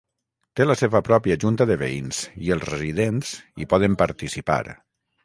Té la seva pròpia junta de veïns i els residents hi poden participar.